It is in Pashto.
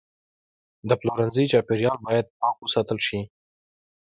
د پلورنځي چاپیریال باید پاک وساتل شي.